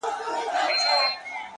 o په دغه خپل وطن كي خپل ورورك،